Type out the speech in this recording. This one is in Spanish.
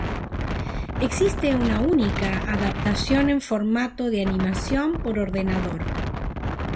Existe una única adaptación en formato de animación por ordenador.